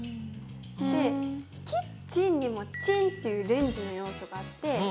で「キッチン」にも「チン」っていうレンジの要素があって。